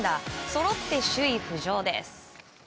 そろって首位浮上です。